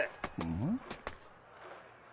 ん？